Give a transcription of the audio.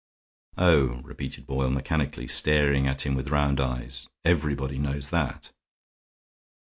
"Oh," repeated Boyle, mechanically, staring at him with round eyes, "everybody knows that."